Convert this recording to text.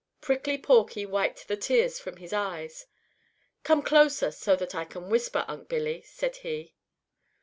Prickly Porky wiped the tears from his eyes. "Come closer so that I can whisper, Unc' Billy," said he.